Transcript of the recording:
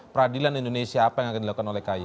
peradilan indonesia apa yang akan dilakukan oleh kay